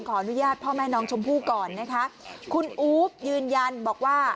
ขออนุญาตพ่อแม่น้องชมพู่ก่อนนะคะคุณอู๊บยืนยันบอกว่า